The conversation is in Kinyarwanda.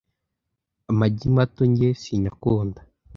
amagi mato njye sinyakunda